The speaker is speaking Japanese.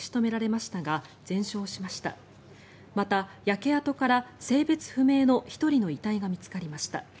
また、焼け跡から性別不明の１人の遺体が見つかりました。